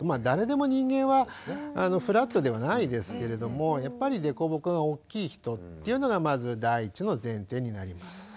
誰でも人間はフラットではないですけれどもやっぱり凸凹が大きい人というのがまず第一の前提になります。